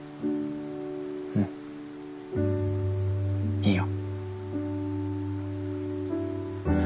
うんいいよ。